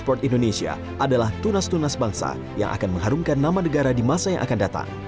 sport indonesia adalah tunas tunas bangsa yang akan mengharumkan nama negara di masa yang akan datang